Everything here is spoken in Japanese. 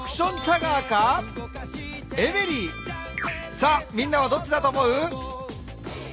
さあみんなはどっちだと思う？